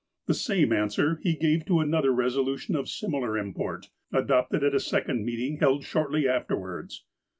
The same answer he gave to another resolution of sim ilar import, adopted at a second meeting held shortly af terwards.